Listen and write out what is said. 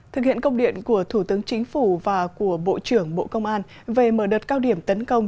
thực hiện công điện của thủ tướng chính phủ và của bộ trưởng bộ công an về mở đợt cao điểm tấn công